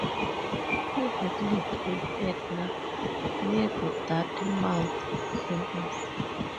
He had lived in Etna, near the Dartmouth Campus.